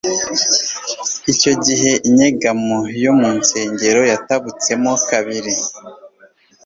Icyo gihe inyegamo yo mu msengero yatabutsemo kabiri;